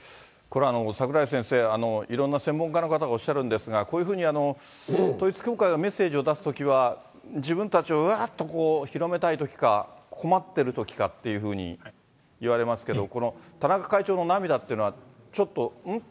これ、櫻井先生、いろんな専門家の方がおっしゃるんですが、こういうふうに統一教会がメッセージを出すときは、自分たちをうわーっと広めたいときか、困ってるときかっていうふうにいわれますけど、この田中会長の涙っていうのは、ちょっと、ん？